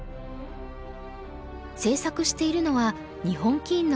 制作しているのは日本棋院の出版部です。